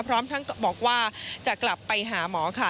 พร้อมทั้งบอกว่าจะกลับไปหาหมอค่ะ